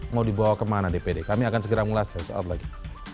mau dibawa kemana dpd kami akan segera ulas saat saat lagi